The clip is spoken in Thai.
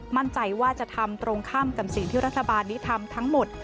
มั่นใจว่าจะทำตรงข้ามกับสิ่งที่รัฐบาลนี้ทำทั้งหมด